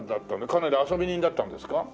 かなり遊び人だったんですか？